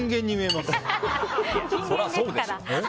そりゃそうでしょ。